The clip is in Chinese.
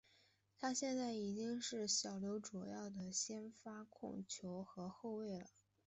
他现在已经是小牛主要的先发控球后卫了。